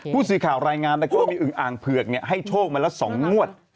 ผู้สื่อข่าวรายงานนะครับว่ามีอึงอ่างเผือกให้โชคมาแล้ว๒งวด